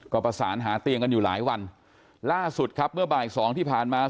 ก็ประสานหาเตียงกันอยู่หลายวันล่าสุดครับเมื่อบ่ายสองที่ผ่านมา